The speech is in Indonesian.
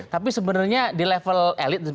tapi sebenarnya di level elit